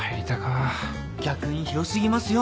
逆に広過ぎますよ